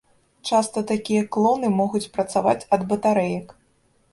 Часта такія клоны могуць працаваць ад батарэек.